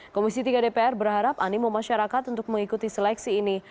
komisi tiga dpr berharap animo masyarakat untuk mengikuti seleksi ini